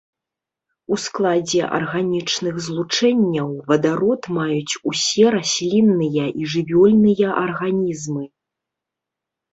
У складзе арганічных злучэнняў вадарод маюць усе раслінныя і жывёльныя арганізмы.